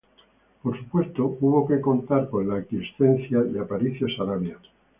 Por supuesto, hubo que contar con la aquiescencia de Aparicio Saravia.